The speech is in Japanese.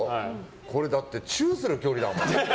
これチューする距離だもん。